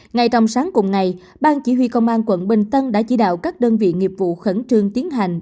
ngay trong sáng cùng ngày ban chỉ huy công an quận bình tân đã chỉ đạo các đơn vị nghiệp vụ khẩn trương tiến hành